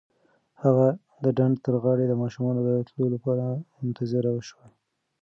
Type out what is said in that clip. هغه د ډنډ تر غاړې د ماشومانو د تلو لپاره منتظره شوه.